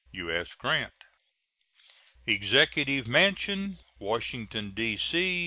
U.S. GRANT. EXECUTIVE MANSION, _Washington, D.C.